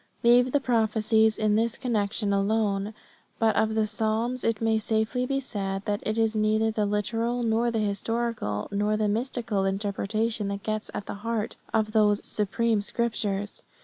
Leave the prophecies in this connection alone; but of the psalms it may safely be said that it is neither the literal nor the historical nor the mystical interpretation that gets at the heart of those supreme scriptures.